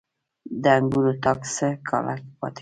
د انګورو تاک څو کاله پاتې کیږي؟